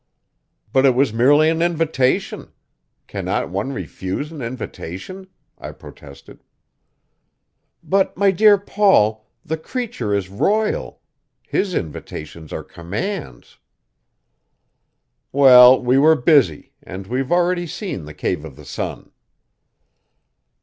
"But it was merely an invitation. Cannot one refuse an invitation?" I protested. "But, my dear Paul, the creature is royal his invitations are commands." "Well, we were busy, and we've already seen the Cave of the Sun."